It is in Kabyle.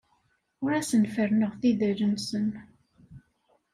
Ur asen-ferrneɣ tidal-nsen.